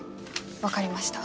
分かりました。